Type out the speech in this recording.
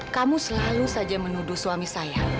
kamu selalu saja menuduh suami saya